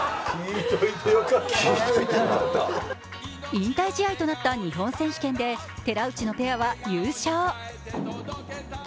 引退試合となった日本選手権で寺内のペアは優勝。